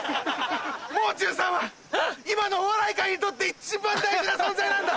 「もう中さん」は今のお笑い界にとって一番大事な存在なんだ！